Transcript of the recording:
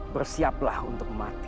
bersiaplah untuk mati